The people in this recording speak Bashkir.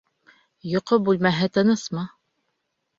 Йоҡо бүлмәһе тынысмы?